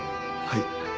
はい。